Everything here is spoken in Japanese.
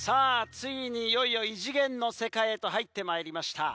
ついにいよいよ異次元の世界へと入ってまいりました。